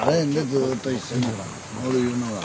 ずっと一緒におるいうのは。